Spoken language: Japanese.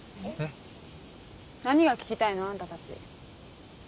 何が聞きたいの？あんたたち。